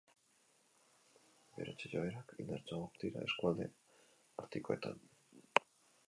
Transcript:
Berotze joerak indartsuagoak dira eskualde artikoetan.